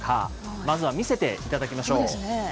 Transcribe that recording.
まずは見せていただきましょう。